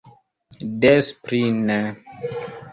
Des pli ne!